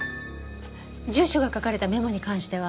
住所が書かれたメモに関しては？